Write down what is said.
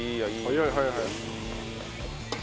早い早い早い。